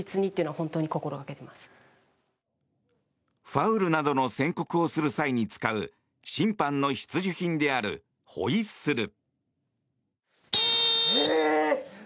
ファウルなどの宣告をする際に使う審判の必需品であるホイッスル。